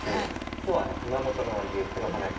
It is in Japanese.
今日は熊本の和牛黒樺牛